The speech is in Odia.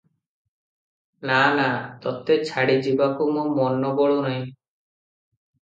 ନା, ନା, ତୋତେ ଛାଡ଼ି ଯିବାକୁ ମୋ ମନ ବଳୁ ନାହିଁ ।"